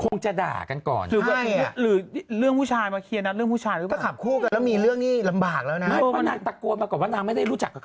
น่ากลัวมากเลยตอนเนี้ยถ้าจอติดไปแดงนี่มองหน้ากันน่ะหรือ